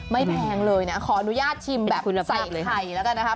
แพงเลยนะขออนุญาตชิมแบบใส่ไข่แล้วกันนะครับ